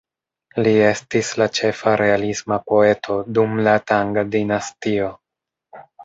Li estis la ĉefa realisma poeto dum la Tang dinastio.